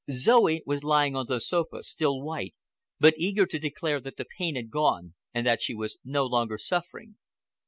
Zoe was lying on the sofa, still white, but eager to declare that the pain had gone and that she was no longer suffering.